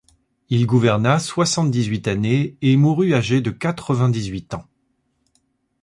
Il gouverna soixante-dix-huit années et mourut âgé de quatre-vingt-dix huit ans.